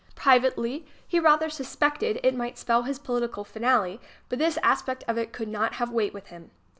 Privately he rather suspected it might spell his political finale, but this aspect of it could not have weight with him.